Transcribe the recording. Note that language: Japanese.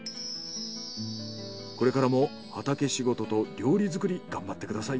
これからも畑仕事と料理作り頑張ってください。